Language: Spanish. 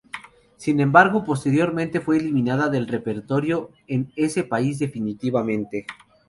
Sin embargo, posteriormente fue eliminada del repertorio en ese país definitivamente.